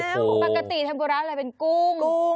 ปกติเทมกุระเป็นกุ้ง